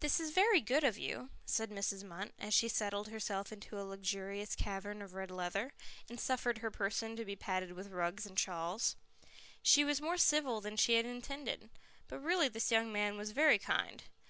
"This is very good of you," said Mrs. Munt, as she settled herself into a luxurious cavern of red leather, and suffered her person to be padded with rugs and shawls. She was more civil than she had intended, but really this young man was very kind.